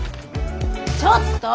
ちょっと！